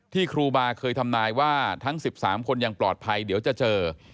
ครูบาเคยทำนายว่าทั้ง๑๓คนยังปลอดภัยเดี๋ยวจะเจอ